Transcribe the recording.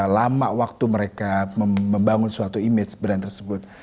lama waktu mereka membangun suatu image brand tersebut